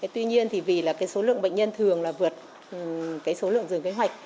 tuy nhiên vì số lượng bệnh nhân thường vượt số lượng dường kế hoạch